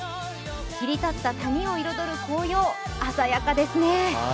切り立った谷を彩る紅葉、鮮やかですね。